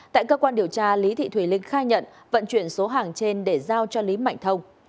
tại cơ quan điều tra lý thị thùy linh khai nhận vận chuyển số hàng trên để giao cho lý mạnh thông